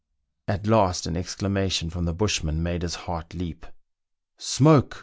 At last an exclamation from the bushman made his heart leap. " Smoke !"